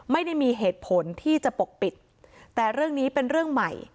ไม่ได้มีเหตุผลที่จะปกปิดแต่เรื่องนี้เป็นเรื่องใหม่